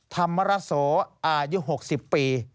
ธรรมรโสอายุ๖๐ปี